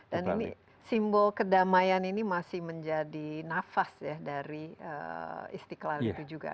dan simbol kedamaian ini masih menjadi nafas ya dari istiqlal itu juga